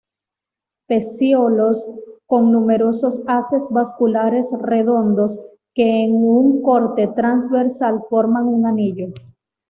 Pecíolos con numerosos haces vasculares redondos que en un corte transversal forman un anillo.